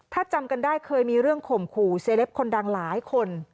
ถ้าจำกันได้เคยมีเรื่องข่มขู่เซลปคนดังหลายคน